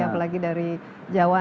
apalagi dari jawa